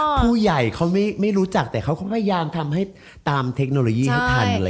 ผู้ใหญ่เขาไม่รู้จักแต่เขาก็พยายามทำให้ตามเทคโนโลยีให้ทันเลย